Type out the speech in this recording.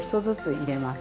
入れます。